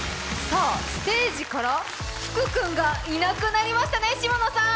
さあ、ステージから福くんがいなくなりましたね、下野さん。